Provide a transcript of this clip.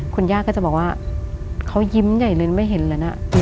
คุณย่าก็จะบอกว่าเขายิ้มใหญ่เลยไม่เห็นเลยนะ